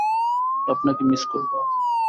আপনাকে মিস করব।